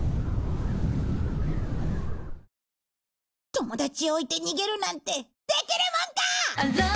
友達を置いて逃げるなんてできるもんか！